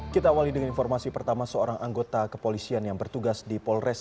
kita awali dengan informasi pertama seorang anggota kepolisian yang bertugas di polres